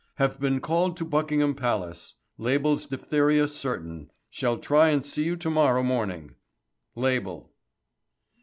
"Have been called in to Buckingham Palace, Label's diphtheria certain. Shall try and see you to morrow morning. Label."